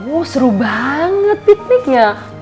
oh seru banget piknik ya